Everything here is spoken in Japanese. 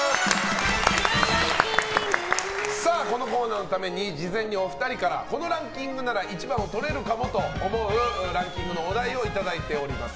このコーナーのために事前にお二人からこのランキングなら１番をとれるかもと思うランキングのお題をいただいております。